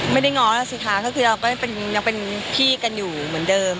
ง้อแล้วสิคะก็คือเราก็ยังเป็นพี่กันอยู่เหมือนเดิม